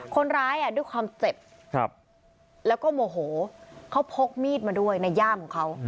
คนร้ายด้วยความเจ็บแล้วก็โมโหเขาพกมีดมาด้วยในย่ามของเขา